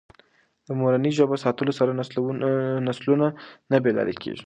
د مورنۍ ژبه ساتلو سره نسلونه نه بې لارې کېږي.